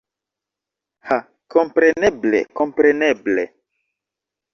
Ha kompreneble kompreneble